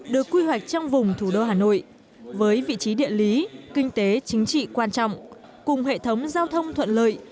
được quy hoạch trong vùng thủ đô hà nội với vị trí địa lý kinh tế chính trị quan trọng cùng hệ thống giao thông thuận lợi